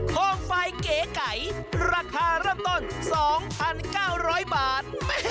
ห้องไฟเก๋ไก่ราคารับต้น๒๙๐๐บาท